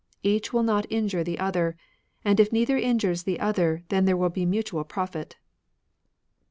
Each will not injure the other. And if neither injures the other, then there will be mutual profit."